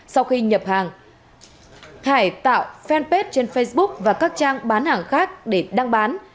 sau khi nhập hàng hải tạo fanpage trên facebook và các trang bán hàng khác để đăng bán